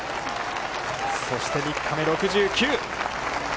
そして３日目、６９。